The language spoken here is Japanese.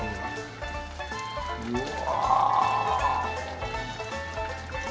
うわ。